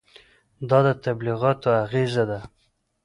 دا د تبلیغاتو اغېزه ده.